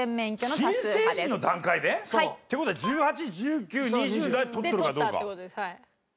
新成人の段階で？っていう事は１８１９２０で取ってるかどうか。